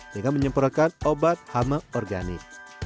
dengan menyempurnakan obat hama organik